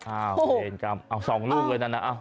โอ้โหโอ้โหเอา๒ลูกเลยนะ